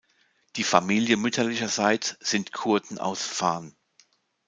Die Familie mütterlicherseits sind Kurden aus Van.